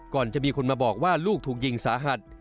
ก่อนจะมีคนมาบอกว่าลูกถูกยิงสาหัส